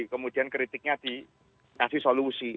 kemudian kritiknya dikasih solusi